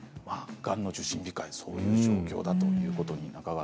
がんの受診控えそういう状況だということです。